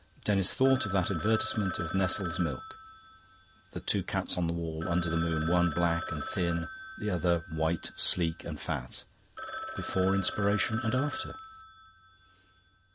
Denis thought of that advertisement of Nestle's milk the two cats on the wall, under the moon, one black and thin, the other white, sleek, and fat. Before Inspiration and after.